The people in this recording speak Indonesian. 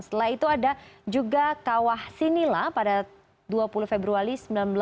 setelah itu ada juga kawah sinila pada dua puluh februari seribu sembilan ratus delapan puluh